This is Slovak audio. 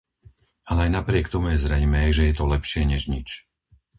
Ale aj napriek tomu je zrejmé, že je to lepšie než nič.